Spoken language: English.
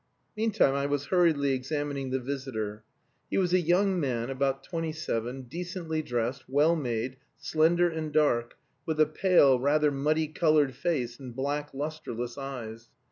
Meantime, I was hurriedly examining the visitor. He was a young man, about twenty seven, decently dressed, well made, slender and dark, with a pale, rather muddy coloured face and black lustreless eyes.